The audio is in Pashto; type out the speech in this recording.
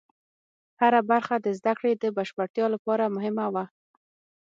هره برخه د زده کړې د بشپړتیا لپاره مهمه وه.